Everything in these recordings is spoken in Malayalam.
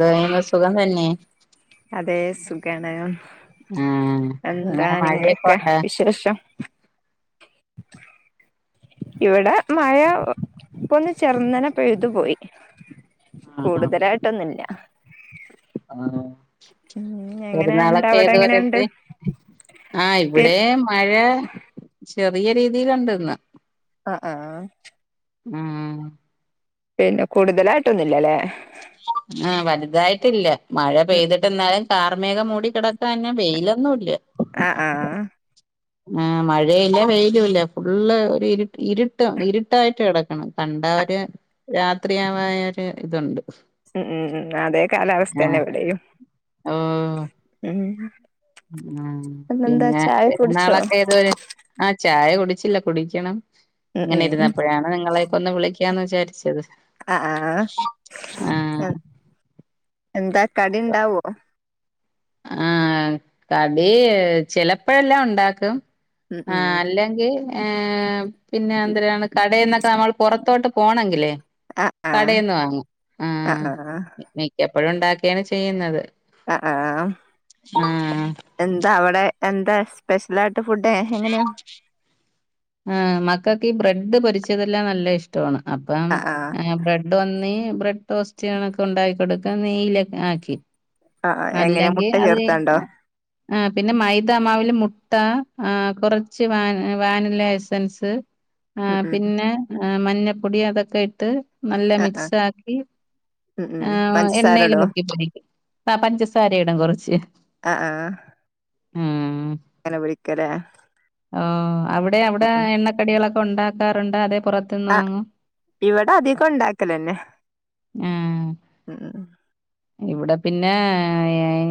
ദൈവ സുഖം തന്നെ അതെ സുഖാണ് ആഹ് എന്താ എങ്ങനെ മഴയൊക്കെ നിങ്ങക്കെ ഉണ്ടോ വിശേഷം ഇവിടെ മഴ പൊന്ന് ചെറന്നനെ പെഴുതുപോയി കൂടുതലായിട്ടൊന്നും ഇല്ല ആ ഉം എങ്ങനെയുണ്ട് പെരുന്നാളൊക്കെ അവിടെ എങ്ങനെയുണ്ട് ഏതുവരെയെത്തി ആഹ് പി ഇവിടെ മഴ ചെറിയ രീതിൽ ഉണ്ടിന്ന് ആ ആ ആ പിന്നെ കൂടുതലായിട്ടൊന്നു ഇല്ലല്ലേ ഇതായിട്ടില്ല മഴ ഉം പെയ്തിട്ട് എന്നാലും കാർമേഘം മൂടി കിടക്കാന്നെ വെയിലും ഇന്ന് ഒടില്ലേ ആ ആഹ് ആ മഴയില്ല വെയിലും ഇല്ല ഫുള്ള് ഒരു ഇരുട്ടും ഇരുട്ടായിട്ട് കിടക്കണം കണ്ട ഒരു രാത്രി ആവ ഒരു ഇതുണ്ട് ഉ ഉം അതേ കാലാവസ്ഥ തന്നെ ആഹ് ഇവിടെയും ഉ ഉ പിന്നെ കുടിച്ചോ പെരുന്നാളൊക്കെ ഏത് വരെ ചായ കുടിച്ചില്ല കുടിക്കണം ഉം ഇങ്ങനെ ഉം ഇരുന്നപ്പോഴാണ് നിങ്ങളെക്ക ഒന്ന് വിളി ക്കാന്ന് വിചാരിച്ചത് ആ ആഹ് ആഹ് എന്താ കടിണ്ടാവോ ആ കടി ചിലപ്പോഴെല്ലാം ഉണ്ടാക്കും ഉം ആ ഉം അല്ലെങ്കിൽ ഏ പിന്നെ എന്തരാണ് കടന്നൊക്കെ നമ്മൾ പുറത്തോട്ട് പോണെങ്കിലേ ആഹ് ആഹ് കടേന്ന് വാങ്ങും ആ ആഹ് ആഹ് [unintelligible] എപ്പോഴ ഉണ്ടാക്കിയാണ് ചെയ്യുന്നത് ആ ആഹ് ആഹ് എന്താ അവിടെ എന്താ സ്പെഷ്യലായിട്ട് ഫുഡ് എങ്ങനെ ആഹ് മക്ക ഈ ബ്രഡ് പൊരിച്ചതെല്ലാം നല്ല ഇഷ്ടമാണ് അപ്പം ആ ആ ബ്രെഡ് വന്നി ബ്രഡ ടോസ്റ്റ് കണക്ക് ഒണ്ടാക്കി കൊട്ക്ക നെയ്യിലൊക്കെ ആക്കി ആ അ എങ്ങനെ അല്ലെങ്കിൽ മുട്ട ചേർത്താണ്ടോ അത് ആ പിന്നെ മൈദാമാവിൽ മുട്ട ആ കുറച്ച് വാൻ വാനില്ല എസ്സെൻസ് ആ ഉം ഉം പിന്നെ മഞ്ഞപ്പൊടി അതൊക്കെ ഇട്ട് നല്ല ആ ആ മിക്സ് ആക്കി ഉം ഉം ആ പഞ്ചസാര എണ്ണേൽ ഇടോ മുക്കിപ്പൊരിക്കും ആ പഞ്ചസാര ഇടും കുറച്ച് ആഹ് ആഹ് മ് കനപിടിക്കലെ ഓ അവിടെ അവിടെ എണ്ണക്കടികളൊക്കെ ഉണ്ടാക്കാറുണ്ടോ അതെ ആ ഇവിടെ അധികം ണ്ടാക്കൽന്നെ ആ മ്മ് ഇവിടെ പിന്നെ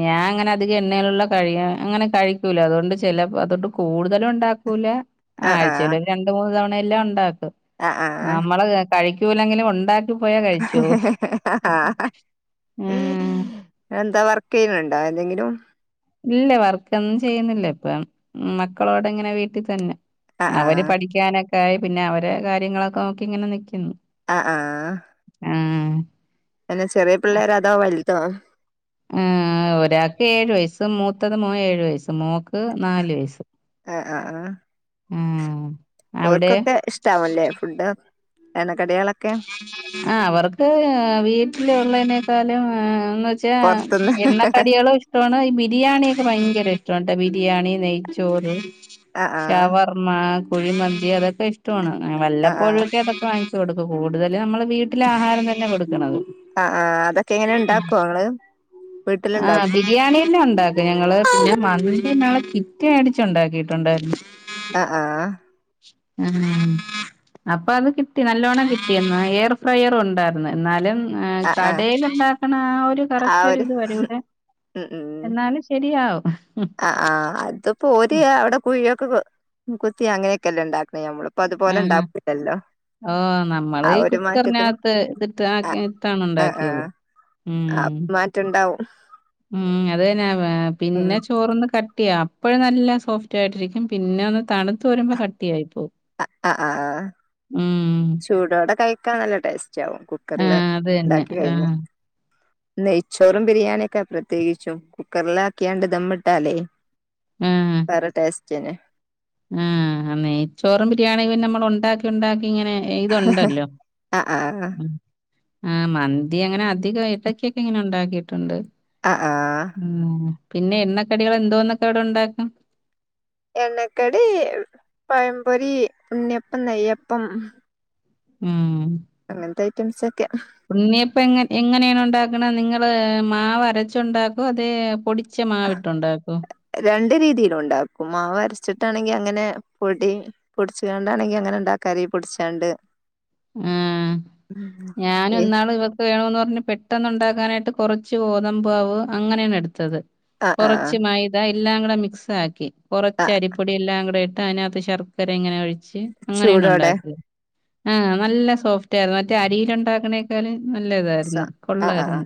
ഞാൻ അങ്ങനെ അധികം എണ്ണയിലുള്ള കഴി അങ്ങനെ കഴിക്കൂല അതുകൊണ്ട് ചിലപ്പം അതുകൊണ്ട് കൂടുതലും ഉണ്ടാക്കൂല ആ ആഴ്ച്ചയിൽ ഒരു രണ്ട് മൂന്ന് തവണ ഒ ല്ല ഉണ്ടാക്കും ആ നമ്മൾ കഴി [unintelligible] ആ ഉം എന്താ വർക്ക് ചെയ്യ്ണ്ണ്ണ്ടോ എന്തെങ്കിലും ഇല്ല വർക്കോന്നും ചെയ്യുന്നില്ല ഇപ്പം മക്കളോടെ ങ്ങനെ വീട്ട് തന്നെ ആ ആ അവര് പഠിക്കാന ക്കായി പിന്നെ അവരെ കാര്യങ്ങളൊക്കെ നോക്കി ഇങ്ങനെ നിക്ക് ആ ആ ഉം എന്നാ ചെറിയ പിള്ളേരോ അതോ വല്തോ ആ ആ ഒരാൾക്ക് ഏഴ് വയസ്സ് മൂത്തത് മോൻ ഏഴ് വയസ്സ് മോക്ക് നാല് വയസ്സ് ആ ആ ആ ഉം ഓർക്കൊക്കെ ഇഷ്ടാവല്ലേ ഫുഡ് എണ്ണ കടികളൊ ആ അവർക്ക് വീട്ടിലുള്ളെനേ ക്കാലും ആഹ് ന്ന് വെച്ചാ പൊറത്തുന്ന് എണ്ണ കടികളും ഇഷ്ടമാണ് ഈ ബിരിയാണിയൊക്കെ ഭയങ്കര ഇഷ് റോണ്ട ബിരിയാണി നെയ്ച്ചോറ് ആ ആ ഷവർമാ കുഴി മന്തി അതൊക്കെ ഇഷ്ടാ ണ് ആ ആ വല്ലപ്പോഴൊക്കെ അതൊക്കെ വാങ്ങി പ്പ കൂടുതല് നമ്മള് വീട്ടിലെ ആഹാരം തന്നെ കൊടുക്കണത് ആഹ് ആഹ് അതൊക്കെ എങ്ങനെ ഉണ്ടാക്കോ ഇങ്ങള് ആ വീട്ടിലുണ്ടാക്കും ബിരിയാണിന്നേ ഒണ്ടാ ഞങ്ങള് പിന്നെ മന്തി ഞങ്ങള് കിറ്റ് മേടിച്ച് ഒണ്ടാക്കിട്ടൊണ്ടായിരുന്ന് ആ ആ ആ അപ്പൊ അത് കിട്ടി നല്ലോണ്ണം കിട്ടിയന്ന് എയർ ഫ്രയർ ഒണ്ടായിരുന്ന് എന്നാലും ആ ആഹ് ആഹ് കടേൽ ഉണ്ടാക്കണ ആ ഒരു ആ കറക്റ്റ് ഒരു ഒരിത് വരൂല്ല എന്നാലും ശരിയാകും ആ ആ അതിപ്പോ ഓര് അവിടെ കുഴിയ [unintelligible] കുത്തി അങ്ങനെയെക്കെ എല്ലെ എണ്ടാ ഇം ഓ നമ്മള് ആ ഈ ഒരു മാറ്റത്തിന് കുക്കറിനകത്ത് ഇതിട്ട് ആക്കി ആഹ് ഇട്ടാണ് ആഹ് ഇണ്ടാക്കിയത് ആഹ് ഉം ആ മാറ്റണ്ടാവും ഉം അതന്നെ അ ഏഹ് ഉം പിന്നെ ചോറൊന്ന് ക ട്ടിയാ അപ്പഴ് നല്ല സോഫ്റ്റ് ആയിട്ടിരിക്കും. പിന്നെ ഒന്ന് തണുത്ത് വരുമ്പ കട്ടി ആയി അ അ ആ മ്മ്. ചൂടോടെ കഴി ക്കാൻ നല്ല ടേസ് റ്റാവും കുക്കറില് ആഹ്. അത് തന്നെ. ഇണ്ടാക്കി കഴിഞ്ഞ ആഹ്. നെയ്ച്ചോറും ബിരിയാണിയൊക്കെയ പ്രത്യേകിച്ചും കുക്കറിലാക്കിയാണ്ട് ദമ്മിട്ടാലേ [unintelligible] ടേസ് [unintelligible] ആ നെയ്ചോറും ബിരിയാണിയും പിന്നെ നമ്മൾ ഉണ്ടാക്കി ഉണ്ടാക്കി ഇങ്ങനെ ഇത് ഉണ്ടല്ലോ ആഹ് ആഹ് ഇത് അങ്ങനെ അധികം ഇടക്കൊക്കെ ഇങ്ങനെ ഉണ്ടാക്കിയിട്ടുണ്ട് ആ ആ മ്മ്. പിന്നെ എണ്ണക്കടികൾ എന്തോന്നൊക്കെ അവിടെ ഉണ്ടാക്കും എണ്ണക്കടി പഴംപൊരി, ഉണ്ണിയപ്പം, നെയ്യപ്പം ഉം അങ്ങനത്തെ ഐറ്റംസ് ഒക്കെയാ ഉണ്ണിയപ്പം എങ്ങ എങ്ങനെയാണ് ഉണ്ടാക്കണത് നിങ്ങള് മാവരച്ച് ഉണ്ടാക്കുവോ അതോ പൊടിച്ച മാവിട്ട് ഉണ്ടാക്കുവോ രണ്ട് രീതിയിലും ഉണ്ടാക്കും മാവ് അരച്ചിട്ടാണെങ്കി അങ്ങനെ പൊടി പൊടിച്ചണ്ടാണെങ്കിൽ അങ്ങനെ ഇണ്ടാക്കും അരി പൊടിച്ചാണ്ട് ആ ഞാനും ഇന്നാള് ഇവക്ക് വേണമെന്ന് പറ ഒന്ന് പെട്ടെന്ന്‌ ഉണ്ടാക്കാനായിട്ട് കുറച്ച് ഗോതമ്പ് മാവ് അങ്ങനെയാണ് എടുത്തത് ആ ആ കുറച്ച് മൈദാ എല്ലാം കൂടെ മിക്സാക്കി ആ കുറച്ച് അരിപ്പൊടി എല്ലാം കൂടെ അതിനകത്ത് ശർക്കര ഇങ്ങനെ ഒഴി ച്ച് അങ്ങനെയാണ് ചൂടോടെ ഉണ്ടാക്കല് ആ നല്ല സോഫ്റ്റ് ആയിരുന്നു മറ്റേ അരീൽ ഉണ്ടാക്കണേക്കാളും നല്ല സ ഇതായിരുന്നു ആ ആ കൊള്ളായിരുന്നു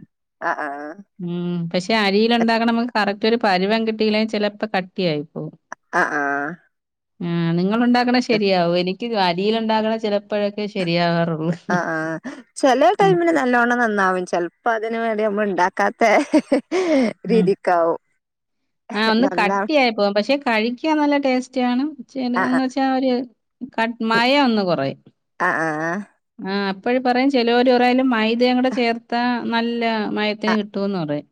ആ ആ ഉം പക്ഷെ അരിയില്ണ്ടാക്കണ മ്മ കറക്ട് ഈയൊരു പരുവം കിട്ടിയില്ലേ ചെലപ്പ കട്ടിയായി പോവും ആഹ് ആഹ് ആ നിങ്ങള് ഉണ്ടാക്കണ ശരിയാവും എനിക്ക് അരീൽ ഉണ്ടാകണ ചെല ഇപ്പോഴൊക്കേ ശരിയാകാറുള്ള് ആ ആ ചെല ടൈമിന് നല്ലോണ്ണം നന്നാവും ചെലപ്പോ അതിന് വേണ്ടി നമ്മൾ ഉണ്ടാക്ക കത്തെ ഉ ആഹ ഒന്ന് നന്നാ കട്ടിയായി പോവും പക്ഷെ കഴിക്കാൻ നല്ല ടേസ്റ്റ് ആണ് ആ എന്ന് ആ വെച്ചാ ഒരു മയം ഒന്ന്കൊറയും ആ ആ ആ ഇപ്പഴ് പറയും ചെലോര് പറയും മൈദേം കൂടെ ചേർത്താ നല്ല മയത്തേ കിട്ടുമെന്ന് പറയും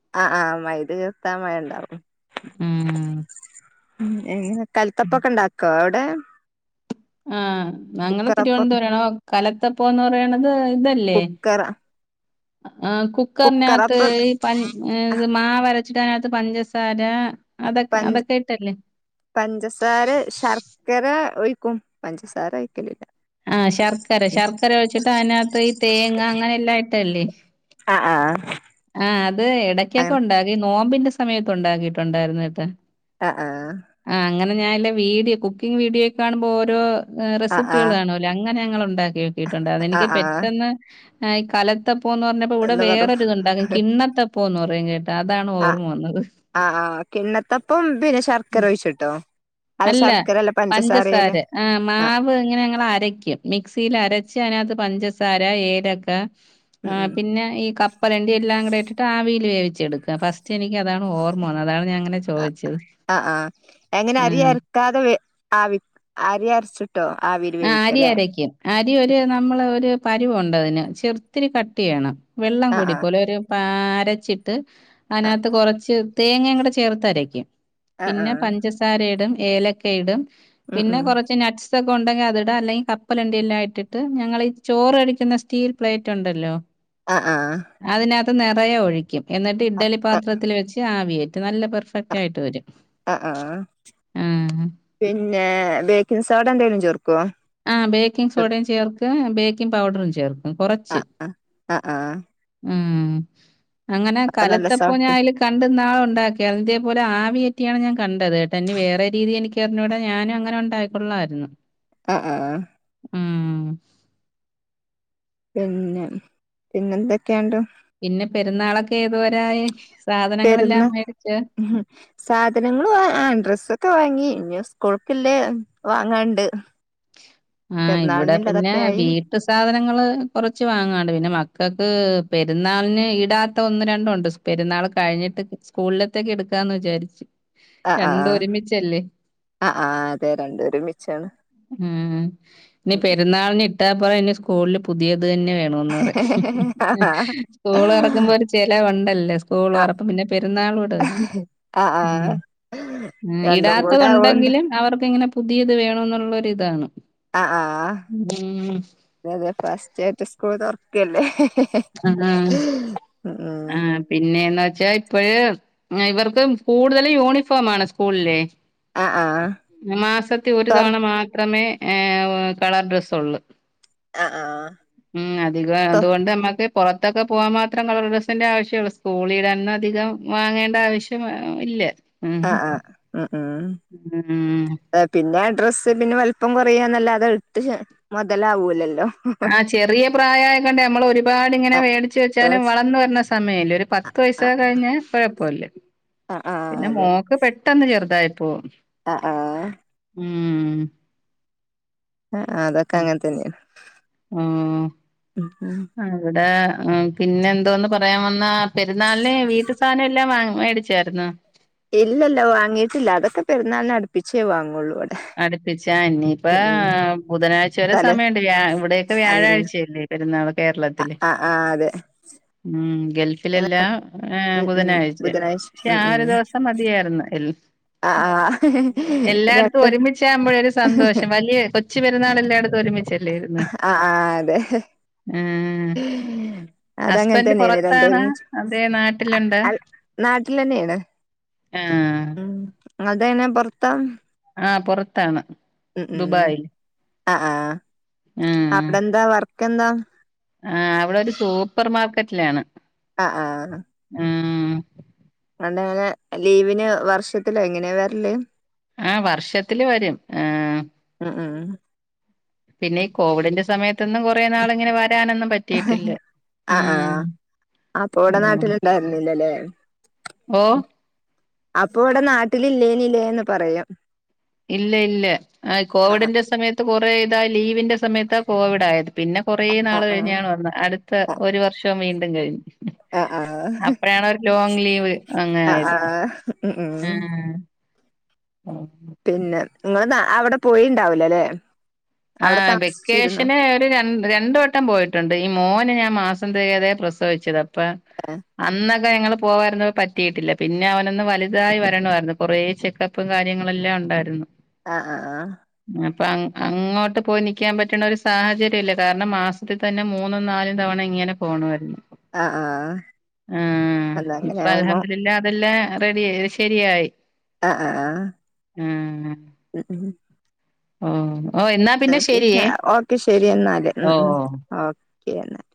ഇത് തീർത്താ മയ ഉണ്ടാവും ഉം ഉം എങ്ങനെ കലത്തപ്പം ഒക്കെ ഉണ്ടാക്കോ അ ആ ഞങ്ങള് തിരുവനന്തപുരാണ് കല ഇതപ്പോന്ന് പറയ അത് ഇതല്ലേ കുക്കറ ആ കുക്കറിനാത്ത് കുക്കറപ്പം ഈ പ മാവര ച്ചിട്ടയിനാത്ത് പഞ്ചസാര അതൊക്കെ പഞ്ച അതൊക്കെ ഇട്ടല്ലേ പഞ്ചസാര ശർക്കര ഒരു ക്കൂം പഞ്ചസാര ഒയിക്കലില്ല ആഹ ശർക്കര ശർക്കര ഒഴിച്ചിട്ട് അനാത്ത് ഈ തേങ്ങ അങ്ങനെ എല്ലായിട്ടല്ലേ ആ ആ ആ അത് ഇടക്കൊക്കെ ഉണ്ടാകി നോമ്പിന്റെ സ സമയത്ത് ഉണ്ടാക്കിയിട്ടുണ്ടായിരുന്നാ കേട്ട ആ ആ ഞാനെന്റെ വീഡിയോ കുക്കിഗ് വീഡിയോക്കെ കാണുമ്പോ ഓരോ ആഹ് റെസിപ്പികള് ആഹ് കാണൂല്ലേ അങ്ങനെ ഞങ്ങള് ഒ ണ്ടാക്കി കേട്ടിട്ടുണ്ട് അതെനിക്ക് ആഹ് ആഹ് പെട്ടെന്ന് ആ ഈ കലത്തപ് പോ എന്നു പറഞ്ഞപ്പോ ഇവിടെ എന്താ പറ വേറൊരു ഇതൊണ്ട് [unintelligible] കിണ്ണത്തപ് പ്പോന്നറയും കേട് അതാണ് ആഹ് ഓർമ്മ വന്നത്. ആഹ് ആഹ് കിണ്ണത്തപ്പം പിന്നെ ശർക്കര ഒഴിച്ചിട്ടോ അല്ല ശർക്കരല്ല പഞ്ചസാരയില് പഞ്ചസാര ആ ആഹ് മാവ് ഇങ്ങനെ ഞങ്ങൾ അരക്കും മിക്സിയിൽ അരച്ച് അതിനകത്ത് പഞ്ചസാര ഏലക്ക ആ ഉം ഉം പിന്നെ ഈ കപ്പലണ്ടി എല്ലാം കൂടെ ഇട്ടിട്ട് ആവീല് വേവിച്ചെടുക്കും ഫസ്റ്റ് എനിക്ക് അതാണ് ഓർമ്മവന്നത് അതാണ് ഞാ അങ്ങനെ ചോദിച്ചത്. ആഹ് എങ്ങനെ അരി ആഹ് അരക്കാതെ ആവി അരി അരച്ചിട്ടോ? ആവിയിൽ ആഹ് അരി വേവിക്കല്ലേ അരക്കും അരി ഒരു നമ്മള് ഒരു പരിവമുണ്ടതിന് ചെറുത്തിരി കട്ടി വേണം. വെള്ളം ആഹ് കൂടി പോവല്ല് ഒരു പ ആരച്ചിട്ട് ആഹ് അതിനത്ത് കൊറച്ച് തേങ്ങേ കൂടെ ചേർത്തരക്കും ആഹ് പിന്നെ ആഹ് പഞ്ചസാരഇടും ഏലക്കയിടും ഉം പിന്നെ ഉം കൊറച്ച് നട്ട്സ് ഒണ്ടെങ്കി അതിടാ അല്ലെങ്കി കപ്പലണ്ടി എല്ലാം ഇട്ടിട്ട് ഞങ്ങളി ഈ ചോറരക്കുന്ന സ്റ്റീൽ പ്ലേറ്റ് ഒണ്ടല്ലോ ആഹ് ആഹ് ത്ത്‌ നെറയെ ഒഴിക്കും എന്നി ട്ട് ഇഡ്ഡലി പാത്രത്തില് വെച്ച് ആവികേറ്റും നല്ല പെർഫക്റ്റ് ആയിട്ട് വരും ആഹ് ആഹ് ആഹ് പിന്നെ ബേക്കിംഗ് സോഡ എന്തെ ആ ബേക്കിംഗ് സോഡയും ചേർക്ക് ബേക്കിംഗ് പൗഡറും ചേർ ആഹ് ആഹ് ആഹ് ആഹ് ഉം അങ്ങനെ കാലത്തപ്പോ ഞാൻ സോഫ്റ്റ് അയില് കണ്ട് ന്നാ ഒണ്ടാക്കിയാർന്നു ഇതേപോലെ ആവി കേറ്റിയാണ് ഞാൻ കണ്ടത് കേട്ട ഇനി വേറെ രീതി എനിക്കറിഞ്ഞൂടാ ഞാനും അങ്ങനെ ഒണ്ടാക്കൊള്ളാരുന്നു ആഹ് ആഹ് ഉം പിന്നെ പിന്നെന്തൊക്കെയുണ്ട് പിന്നെ പെരുന്നാളൊക്കെ ഏതുവരായി. സാധനങ്ങളെല്ലാം പെരുന്ന് മേടിച്ച് സാധനങ്ങൾ ആഹ് ഡ്രസ്സൊക്കെ വാങ്ങി. ഇനി സ്കൂൾക് ള്ളെ വാങ്ങാണ്ട്. ആഹ് ഇവിടെ പെരുന്നാളിനില്ല പിന്നെ അതൊക്കെയായി വീട്ടു സാധന ങ്ങള് കൊറച്ച് വാങ്ങാണ്ട് പിന്നെ മക്കൾക്ക് പെരുന്നാളിന് ഇടാത്ത ഒന്ന് രണ്ടുംണ്ട് പെരുന്നാൾ കഴിഞ്ഞിട്ട് സ്കൂളിലത്തേക്ക് എടുക്കാന്ന് വിചാരിച്ച്. ആഹ് രണ്ടും ആഹ് ഒരുമിച്ചല്ലേ ആഹ് ആഹ് അതെ രണ്ടും ഒരുമിച്ചാണ്. ഉം ഉം ഇനി ഉം ഉം പെരുന്നാളിന് ഇട്ട [unintelligible] സ്കൂല് പുതിയത് അതന്നെ വേണംന്ന് പറയും ആ സ്കൂളോറക്കുമ്പോ ഒരു ചിലവുണ്ടല്ലോ സ്കൂൾ ആ തൊറ പിന്നെ പെരുന്നാളൂടെ വരുന്ന് ആ ആ മ് രണ്ടും കൂടെ ആവോണ്ട് ഇടാത്തണ്ടെങ്കിലും അവർക്കങ്ങനെ പുതിയത് വേണം എന്നുള്ള ഇതാണ് ആഹ് ആഹ് അതെ ഫസ്റ്റ് സ്റ്റാറ്റസ് സ്കൂൾ തൊറക്കല്ലേ? ആഹ് ഉം ആഹ് പിന്നെ ന്നാ ച്ച ഇപ്പഴ് ഇവർക്ക് കൂടുതലും യൂണിഫോം ആണ് സ്കൂളിലേ ആഹ് ആഹ് മാസത്തി ഒരു തൊർ തവണ മാത്രമേ ഏഹ് കളർ ഡ്രെസ് ഒള്ളു. ആഹ് ആഹ് ഉം അധികം തൊ അതുകൊണ്ട് നമ്മക്ക് പുറത്തൊക്കെ പോവാൻ മാത്രം കളർ ഡ്രെസിന്റെ ആവശ്യമുള്ളൂ സ്കൂളി ഇടന്ന അധികം വാങ്ങേണ്ട ആവശ്യം ഇല്ല. ഉം ആഹ് ആഹ് ഉം ഉം. ഉം. ആ ഡ്രസ്സ് പിന്നെ വലുപ്പം കൊറയ എന്നല്ലാതെ അത് ഇട്ട് മുതലാവൂലല്ലോ. ആഹ് ചെറിയ പ്രായ ണ്ട് നമ്മള് ഒരു പാടിങ്ങനെ ആഹ് മേടിച്ച് വെച്ചാലും പേഴ്സ് വളർന്നു വരണ സമയമില്ല ഒരു പത്ത് ആഹ് വയസ്സ കഴിഞ്ഞാൽ കുഴപ്പമില്ല ആഹ് ആഹ് പിന്നെ അതെ മോക്ക് പെട്ടെന്ന് ചെറുതായി അപ്പോ ആഹ് ആഹ് - ഉം- ആ ആ അതൊക്കെ അങ്ങനെ തന്നെയാണ്. ആഹ് ആഹ് പിന്നെ എന്തോന്ന് പറയാൻ വന്നാ- പെരുന്നാളിന് വീട്ട് സാധന എല്ലാംവാങ്ങ മേടിച്ചായിരുന്നാ- ഇല്ലല്ല വാങ്ങിയിട്ടില്ല അതൊക്കെ പെരുന്നാൾന് അടുപ്പിച്ചേ വാങ്ങുള്ളൂ- ഇവിടെ അടുപ്പി ചാ ഇനിയിപ്പ ഉം ഉം ബുധനാഴ്ച വരെ തലേ സമയമണ്ട് വ്യാ ഇവിടെയൊക്കെ അന്ന് വ്യാഴാഴ്ചയല്ലേ പേരുന്നാള്- കേരളത്തില് ആഹ് ആഹ് അതെ ഉം- ഗൾഫിലെല്ലാം ഏ ഉം ഉം ബുധനാഴ്ച പക്ഷെ ഉം ആ ഉം ഒരു ദെവസം മതിയാര്ന്ന് എല് ആഹ് ആഹ് രൺ ഒരുമിച്ച ആകുമ്പോഴൊരു സന്തോഷം വലിയ കോ- കൊച്ച് പെരുന്നാൾ എല്ലടത്തും ഒരുമിച്ച് - ആഹ ആ അതെ ആഹ് അതങ്ങനെ ഹസ്ബൻഡ് തന്നെയാണ് രണ്ടും പുറത്താണ് ഒരുമിച്ച് അത നാട്ടിലുണ്ട് അൽ നാട്ടിൽ തന്നെയാണ് ആ അതേനെ പൊ ർത്താ ആഹ പുറത്താണ് ദുബായിൽ ആ ആ അവിടെന്താ വർ കന്താ ആ അവിടെ ഒരു സൂപ്പർ മാർക്കറ്റിലാണ് ആഹ ആഹ് ആഹ് അണ്ട അങ്ങനെ ലീവിന് വർഷത്തില എങ്ങനെയ വരല് ആ വർഷത്തില് വരും ആ ആഹ പിന്നെ ഈ കോവിഡിന്റെ സമയത്ത് അന്നും കുറേ നാള ഇങ്ങനെ വരാനൊന്നും പറ്റിട്ടില്ല ആഹ് ആഹ് അപ്പൊ ഉ ഇവിടെ നാട്ടിലുണ്ടായിരുന്നില്ലല്ലേ ഓ ഓ അപ്പൊ ഇവിടെ നാട്ടില ഇല്ലേന ഇില്ലേന്ന് പറയാം ഇല്ല ഇല്ല ആ കോവിഡിന്റെ സമയത്ത് കൊറെ ത ലീവിന്റെ സമയത്ത് കോവിഡ് ആത് പിന്നെ കൊറേ നാള് ആഹ് കഴിഞ്ഞാണ് വന്ന അടുത്ത ഒരു വർഷം മീൻ ഇ കഴി ആഹ് ആഹ് അപ്പഴാണ് ഒരു ലോങ് ലീവ് അങ്ങ ആഹ് ആയത് ആഹ് ആഹ് ഉം ആ ഉം ആഹ പിന്നെ നിങ്ങ അവിടെ പോയിുണ്ടാവലല്ലേ ആ വെക്കേഷന് ഒരു ര രണ്ട വട്ടം പോയിട്ടുണ്ട് ഈ മോന് ഞാൻ മാസ പ്രതെ പ്രസവിച്ചത അപ്പ ഏഹ് അന്ന ഞങ്ങൾ പോവാമായിരുന്ന പറ്റിയിട്ടില്ല പിന്നെ അവനൊന്ന് വലുതായി വരണമായിരുന്നു കുറേ ചെക്കപ്പും കാര്യങ്ങളുംെല്ലാം ഉണ്ടായിരുന്നു ആ ആഹ ആ അ അങ്ങോട്ട അത്ത് പോയി നിൽക്കാൻ പറ്റണ ഒരു സാഹചര്യം ഇില്ല കാരണം മാസത്തിൽ തന്നെ മൂന്നും നാലും തവണ ഇങ്ങനെ പോകണമായിരുന്നു ആഹ് ആഹ് ആഹ് ആഹ അതങ്ങനെ ഇപ്പൊ ആവുമ്പോ അലഹദില്ല അതെല്ലേ റെഡിിയ ശരിയായി ആഹ ആഹ ആഹ ഉ ഉ ആഹ പിന്ന ഓക്കെ ശെരി എന്നാല് ഉ ഓഹ് ഉ ഓഹ് ഓക്കെ എന്നാല്